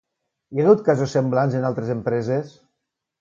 Hi ha hagut casos semblants en altres empreses?